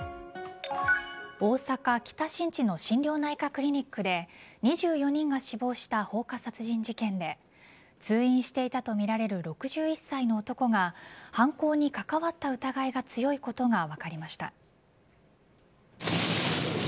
大阪・北新地の心療内科クリニックで２４人が死亡した放火殺人事件で通院していたとみられる６１歳の男が犯行に関わった疑いが強いことが分かりました。